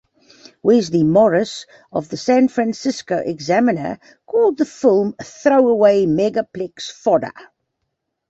Wesley Morris of "The San Francisco Examiner" called the film "throwaway megaplex fodder".